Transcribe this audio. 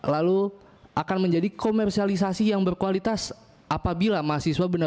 lalu akan menjadi komersialisasi yang berkualitas apabila mahasiswa benar